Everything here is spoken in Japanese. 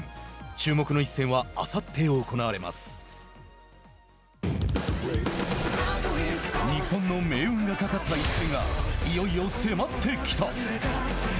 注目の一戦は日本の命運がかかった一戦がいよいよ迫ってきた。